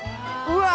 うわ！